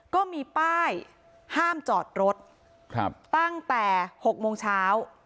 ก็มีป้ายห้ามจอดรถตั้งแต่๖โมงเช้า